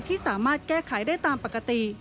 ที่สามารถแก้ไขได้ตามปกติ